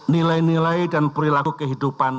nilai nilai dan perilaku kehidupan